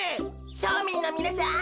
しょみんのみなさん